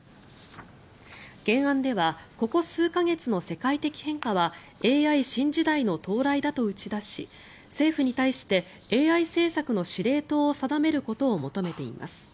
原案ではここ数か月の世界的変化はＡＩ新時代の到来だと打ち出し政府に対してＡＩ政策の司令塔を定めることを求めています。